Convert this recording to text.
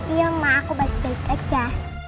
iya mah aku baik baik aja